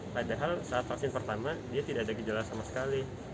padahal saat vaksin pertama dia tidak ada gejala sama sekali